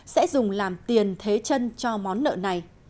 sẽ dùng làm tiền thế chân cho món nợ này